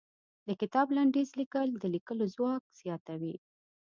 د کتاب لنډيز ليکل د ليکلو ځواک زياتوي.